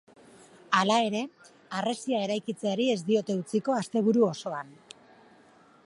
Hala ere, harresia eraikitzeari ez diote utziko asteburu osoan.